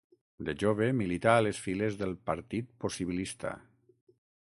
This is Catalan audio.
De jove milità a les files del partit Possibilista.